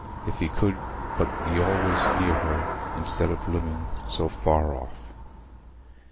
If he could but be always near her, instead of living so far off!